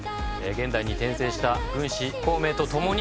現代に転生した孔明と共に。